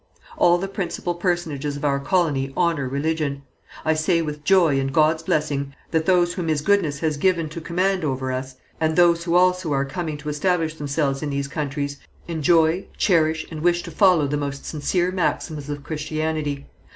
"All the principal personages of our colony honour religion; I say with joy and God's blessing, that those whom His goodness has given to command over us, and those also who are coming to establish themselves in these countries, enjoy, cherish, and wish to follow the most sincere maxims of Christianity....